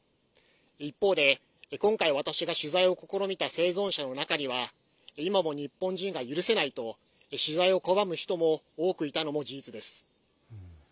一方で今回、私が取材を試みた生存者の中には今も日本人が許せないと取材を拒む人も多くいたのも事実です。